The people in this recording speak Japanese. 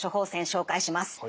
紹介します。